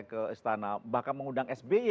ke istana bahkan mengundang sby